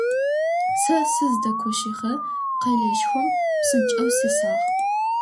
Сэ сыздэкощыгъэ къэлэшхом псынкӀэу сесагъ.